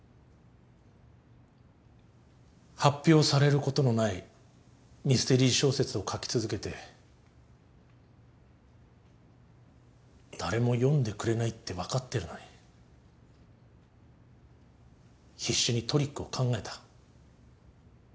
発表されることのないミステリー小説を書き続けて誰も読んでくれないって分かってるのに必死にトリックを考えた。